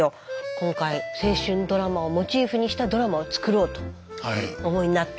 今回青春ドラマをモチーフにしたドラマを作ろうとお思いになって。